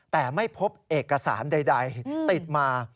แต่ไม่พบเอกสารใดติดมา